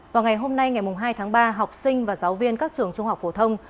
vào ngày hôm nay ngày hai tháng ba học sinh và giáo viên các trường trung học phổ thông